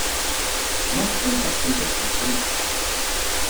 Maɣef ay teɣsemt ad tḥebsemt?